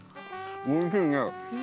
おいしいね。